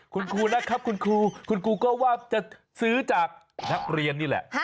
คุณครูนะครับคุณครูคุณครูก็ว่าจะซื้อจากนักเรียนนี่แหละ